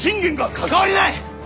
関わりない！